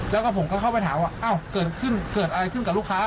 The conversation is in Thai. แล้วก็ผมก็เข้าไปถามว่าอ้าวเกิดขึ้นเกิดอะไรขึ้นกับลูกค้า